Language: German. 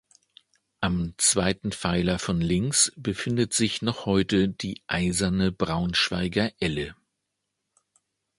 Am zweiten Pfeiler von links befindet sich noch heute die eiserne Braunschweiger Elle.